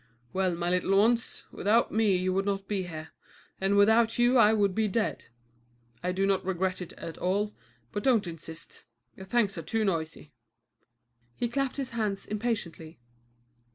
"Well, my little ones, without me you would not be here, and without you I would be dead. I do not regret it at all, but don't insist. Your thanks are too noisy." He clapped his hands impatiently.